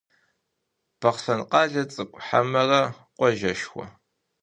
Бахъсэн къалэ цӏыкӏу хьэмэрэ къуажэшхуэ?